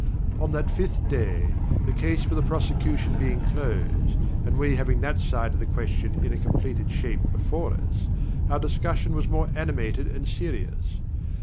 On that fifth day, the case for the prosecution being closed, and we having that side of the question in a completed shape before us, our discussion was more animated and serious.